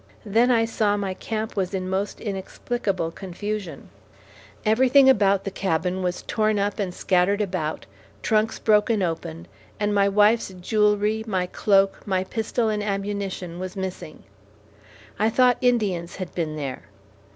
Then I saw my camp was in most inexplicable confusion; everything about the cabin was torn up and scattered about, trunks broken open; and my wife's jewellery, my cloak, my pistol and ammunition was missing. I thought Indians had been there.